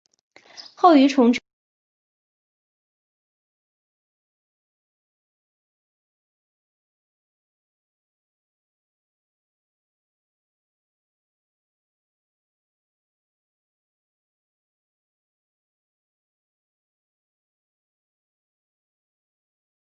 施莱县是美国乔治亚州西部的一个县。